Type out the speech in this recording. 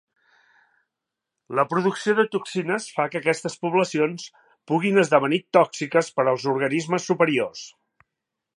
La producció de toxines fa que aquestes poblacions puguin esdevenir tòxiques per als organismes superiors.